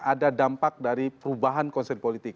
ada dampak dari perubahan konser politik